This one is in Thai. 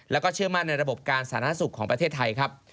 แล้วก็เชื่อมั่นในระบบการสาธารณสุขของประเทศไทยครับ